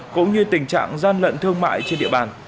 cũng như tình trạng gian lận thương mại trên địa bàn